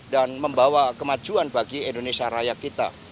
dan membawa kemajuan bagi indonesia raya kita